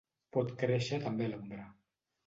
Pot créixer també a l'ombra.